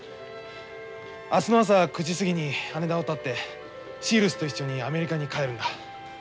明日の朝９時過ぎに羽田をたってシールスと一緒にアメリカに帰るんだ。